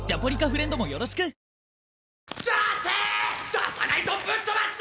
出さないとぶっ飛ばすぞ！